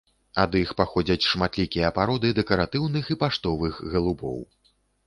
Ад іх паходзяць шматлікія пароды дэкаратыўных і паштовых галубоў.